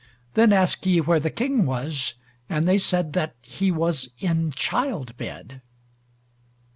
Then asked he where the King was, and they said that he was in childbed.